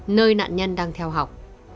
nơi nạn nhân đang theo học